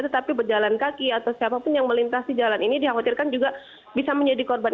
tetapi berjalan kaki atau siapapun yang melintasi jalan ini dikhawatirkan juga bisa menjadi korban